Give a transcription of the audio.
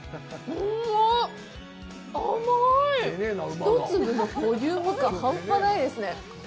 一粒のボリューム感半端ないですね。